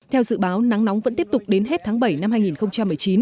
theo dự báo nắng nóng vẫn tiếp tục đến hết tháng bảy năm hai nghìn một mươi chín